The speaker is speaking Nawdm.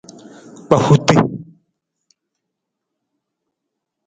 Kpahuta.